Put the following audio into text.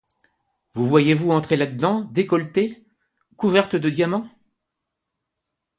Vous voyez-vous entrer là dedans, décolletée, couverte de diamants!